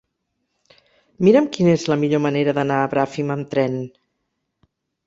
Mira'm quina és la millor manera d'anar a Bràfim amb tren.